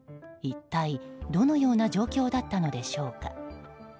一体、どのような状況だったのでしょうか。